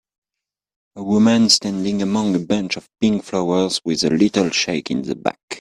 A woman standing among a bunch of pink flowers, with a little shack in the back.